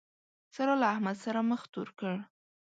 سارا له احمد سره مخ تور کړ.